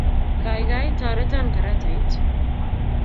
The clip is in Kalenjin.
Gaigai, toreton karatait